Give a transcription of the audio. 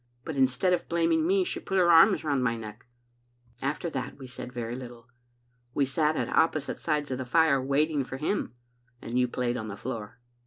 But instead of blaming me she put her arms round my neck. " After that we said very little. We sat at opposite sides of the fire, waiting for him, and you played on the floor.